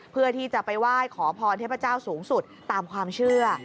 เพื่อที่จะไปไหว้ขอพรเทพเจ้าสูงสุดตามความเชื่อ